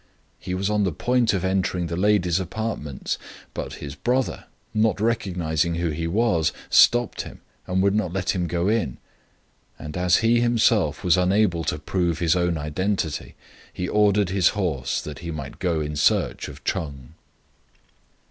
He was on the point of entering the ladies' apartments ; but his brother, not recognising who he was, stopped him, and would not let him go in ; and as he himself was unable to prove his own identity, he ordered his horse that he might go in search of Ch'eng.